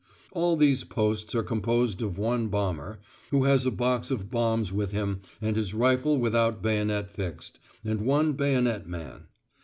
All these posts are composed of one bomber, who has a box of bombs with him and his rifle without bayonet fixed, and one bayonet man.